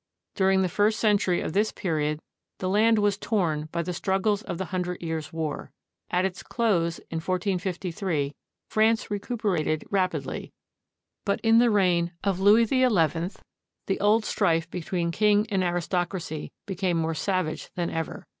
During the first century of this period the land was torn by the struggles of the Hundred Years' War. At its close, in 1453, France recuperated rap idly, but in the reign of Louis XI the old strife between king and aristocracy became more savage than ever.